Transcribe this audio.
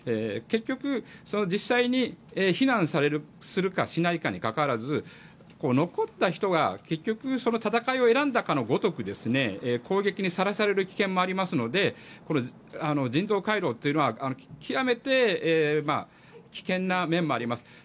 結局、実際に避難するかしないかにかかわらず残った人が結局、戦いを選んだかのごとく攻撃にさらされる危険もありますので人道回廊というのは極めて危険な面もあります。